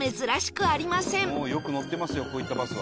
「よく乗ってますよこういったバスは」